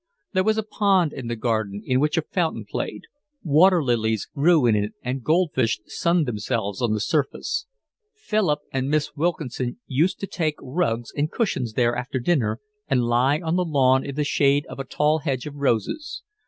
There was a pond in the garden in which a fountain played; water lilies grew in it and gold fish sunned themselves on the surface. Philip and Miss Wilkinson used to take rugs and cushions there after dinner and lie on the lawn in the shade of a tall hedge of roses.